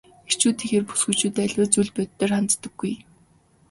Эрчүүдийнхээр бүсгүйчүүд аливаа зүйлд бодитоор ханддаггүй.